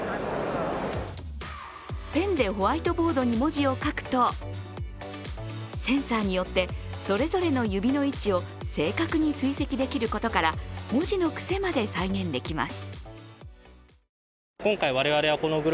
ペンでホワイトボードに文字を書くとセンサーによって、それぞれの指の位置を正確に追跡できることから、文字の癖まで再現できます。